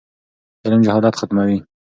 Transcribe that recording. علم جهالت ختموي.